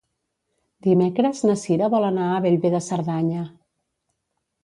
Dimecres na Sira vol anar a Bellver de Cerdanya.